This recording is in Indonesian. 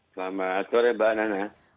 selamat sore pak nana